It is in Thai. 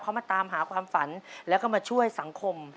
เขามาตามหาความฝันแล้วก็มาช่วยสังคม